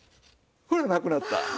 ほらなくなった！